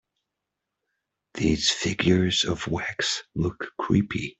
These figures of wax look creepy.